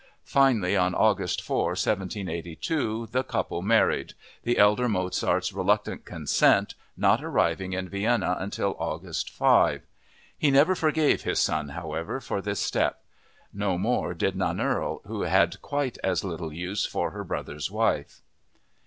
Finally on August 4, 1782, the couple married, the elder Mozart's reluctant consent not arriving in Vienna until August 5. He never forgave his son, however, for this step. No more did Nannerl, who had quite as little use for her brother's wife.